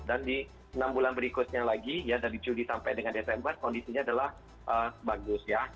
dan di enam bulan berikutnya lagi ya dari juli sampai dengan desember kondisinya adalah bagus ya